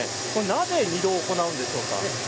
なぜ、２度行うんでしょうか。